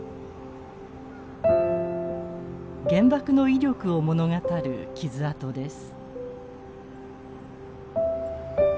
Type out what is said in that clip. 原爆の威力を物語る傷痕です。